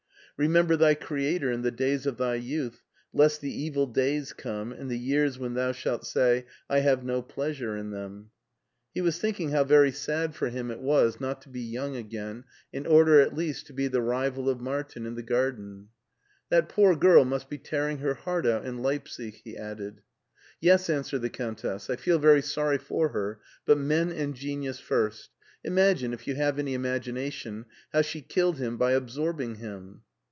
Remember thy Creator in the days of thy youth, lest the evil days come and the years when thou shalt say, 'I have no pleasure in them.*" He was thinking how very sad for him it 192 MARTIN SCHULER was not to be young again in order at least to be the rival of Martin in the garden. " That poor girl must be tearing her heart out in Leipsic," he added. " Yes/* answered the Countess ;" I feel very sorry for her, but men and genius first. Imagine, if you have any imagination, how she killed him by absorbing him.